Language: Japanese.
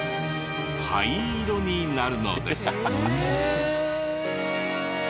灰色になるのです。